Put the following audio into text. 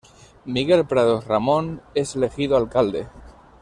Miguel Prados Ramón es elegido alcalde.